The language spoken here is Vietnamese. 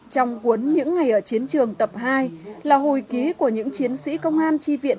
trong cuốn những ngày ở chiến trường tập hai là hồi ký của những chiến sĩ công an tri viện